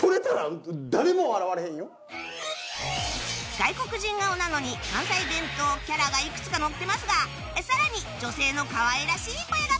外国人顔なのに関西弁とキャラがいくつか乗ってますが更に女性の可愛らしい声がプラス